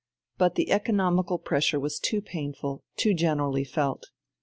But the economical pressure was too painful, too generally felt.